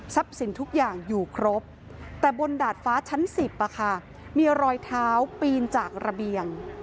สินทุกอย่างอยู่ครบแต่บนดาดฟ้าชั้น๑๐มีรอยเท้าปีนจากระเบียง